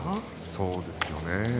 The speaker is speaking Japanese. そうですよね。